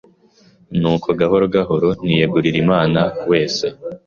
nuko gahoro gahoro niyegurira Imana wese